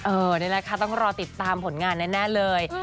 นี่แหละค่ะต้องรอติดตามผลงานแน่เลย